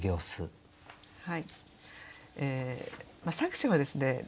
まあ作者はですね